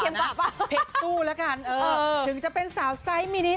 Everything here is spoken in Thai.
เพชรสู้แล้วกันถึงจะเป็นสาวไซส์มินิส